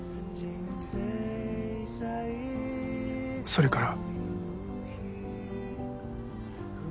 それから。